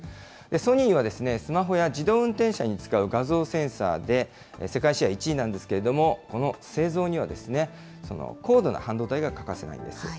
ソニーはスマホは自動運転車に使う画像センサーで世界シェア１位なんですけれども、この製造には、高度な半導体が欠かせないんです。